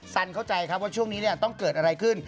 สันเข้าใจครับว่าช่วงนี้ต้องเกิดอะไรขึ้น